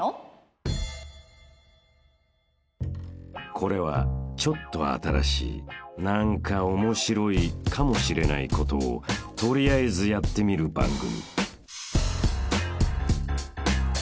［これはちょっと新しい何かオモシロいかもしれないことを取りあえずやってみる番組］